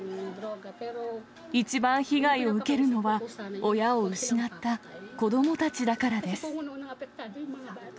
一番被害を受けるのは、親を失った子どもたちだからです。